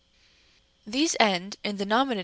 These end, in the N.